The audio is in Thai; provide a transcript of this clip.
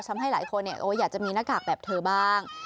ทำให้หลายคนอยากจะมีหน้ากากแบบเธอบ้าง